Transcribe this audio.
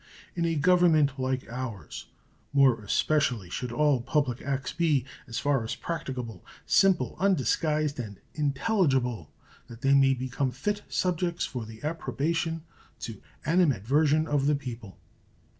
In a government like ours more especially should all public acts be, as far as practicable, simple, undisguised, and intelligible, that they may become fit subjects for the approbation to animadversion of the people.